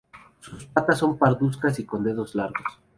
Sus patas son parduzcas y con dedos largos.